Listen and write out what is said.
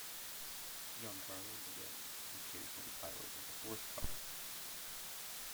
Giancarlo Baghetti occasionally piloted a fourth car.